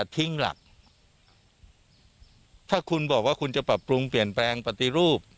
ทิ้งหลักถ้าคุณบอกว่าคุณจะปรับปรุงเปลี่ยนแปลงปฏิรูป